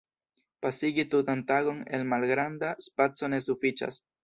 Pasigi tutan tagon en malgranda spaco ne sufiĉas.